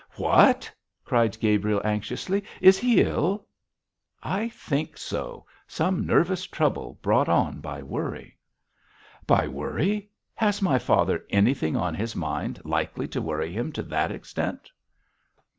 'What!' cried Gabriel, anxiously. 'Is he ill?' 'I think so; some nervous trouble brought on by worry.' 'By worry! Has my father anything on his mind likely to worry him to that extent?'